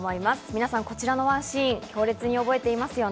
皆さん、こちらのワンシーン、強烈に覚えていますよね？